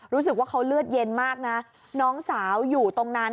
รู้สึกว่าเขาเลือดเย็นมากนะน้องสาวอยู่ตรงนั้น